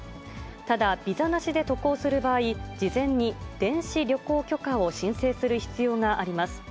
ただ、ビザなしで渡航する場合、事前に電子旅行許可を申請する必要があります。